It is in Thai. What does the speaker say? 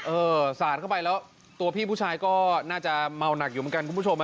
สาดเข้าไปแล้วตัวพี่ผู้ชายก็น่าจะเมาหนักอยู่เหมือนกันคุณผู้ชม